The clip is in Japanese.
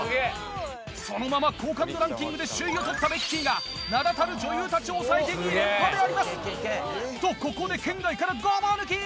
そのまま好感度ランキングで首位を取ったベッキーが名だたる女優たちを抑えて２連覇であります！とここで圏外からごぼう抜き！